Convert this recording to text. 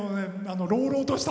朗々とした